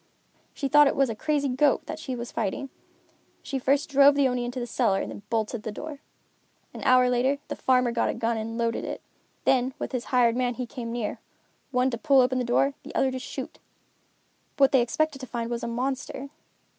She thought it was a crazy goat that she was fighting. She first drove the Oni into the cellar and then bolted the door. An hour later, the farmer got a gun and loaded it. Then, with his hired man he came near, one to pull open the door, and the other to shoot. What they expected to find was a monster.